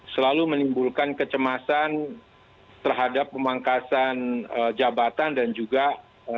selalu menimbulkan kecemasan terhadap pemangkasan jabatan dan jadwal yang tidak terdapat di kementrian